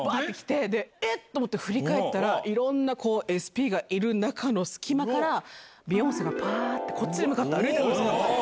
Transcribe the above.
えっと思って振り返ったら、いろんなこう、ＳＰがいる中の隙間から、ビヨンセがぱーって、こっちに向かって歩いてるんですよ。